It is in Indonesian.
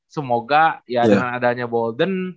semoga ya dengan adanya golden